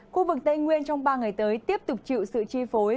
khu vực tây nguyên trong ba ngày tới tiếp tục chịu sự chi phối